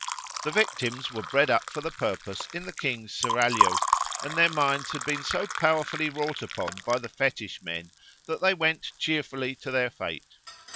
The victims were bred up for the purpose in the king's seraglio, and their minds had been so powerfully wrought upon by the fetish men that they went cheerfully to their fate.